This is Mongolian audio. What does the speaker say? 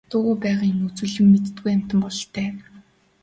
Дуугүй байгааг нь үзвэл юм мэддэггүй амьтан бололтой.